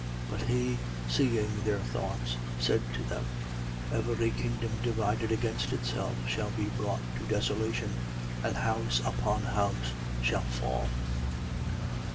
11:17. But he seeing their thoughts, said to them: Every kingdom divided against itself shall be brought to desolation; and house upon house shall fall.